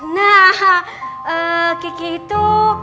nah keke itu